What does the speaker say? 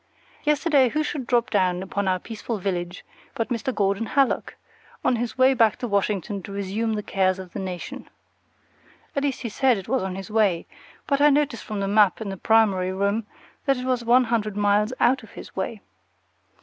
Yesterday who should drop down upon our peaceful village but Mr. Gordon Hallock, on his way back to Washington to resume the cares of the nation. At least he said it was on his way, but I notice from the map in the primary room that it was one hundred miles out of his way.